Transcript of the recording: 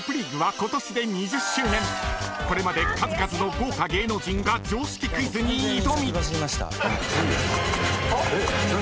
［これまで数々の豪華芸能人が常識クイズに挑み］